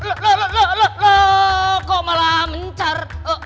le le le le le kau malah mencar